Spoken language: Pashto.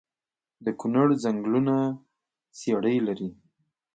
د کونړ ځنګلونه څیړۍ لري؟